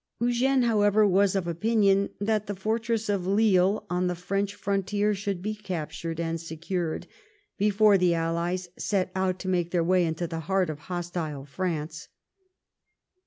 Eugene, however, was of opinion that the fortress of Lille on the French frontier should be captured and secured before the sallies set out to make their way 354 lu ^ WHAT THE WAR WAS COMING TO into the heart of hostile France.